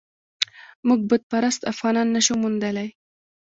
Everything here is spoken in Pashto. موږ بت پرست افغانان نه شو موندلای.